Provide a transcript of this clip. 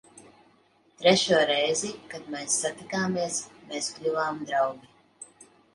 Trešo reizi, kad mēs satikāmies, mēs kļuvām draugi.